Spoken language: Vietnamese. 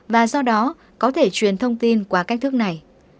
và do đó có thể truyền thông tin qua cách thức này